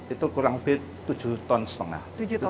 itu kurang lebih tujuh ton setengah